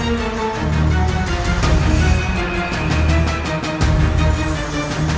ilmumu tak berguna disini